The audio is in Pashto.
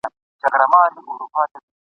زه به دا وروستي نظمونه ستا په نامه ولیکم ..